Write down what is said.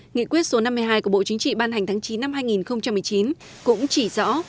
nghị quyết số năm mươi hai của bộ chính trị ban hành tháng chín năm hai nghìn một mươi chín cũng chỉ rõ